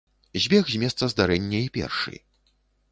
Збег з месца здарэння і першы.